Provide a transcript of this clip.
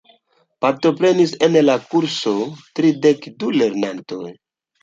Partoprenis en la kurso tridek du lernantoj.